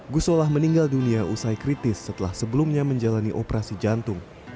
gusola meninggal dunia usai kritis setelah sebelumnya menjalani operasi jantung